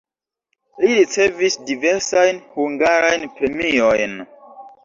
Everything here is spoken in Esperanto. Li ricevis diversajn hungarajn premiojn.